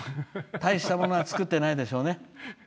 たいしたものは作ってないでしょうね。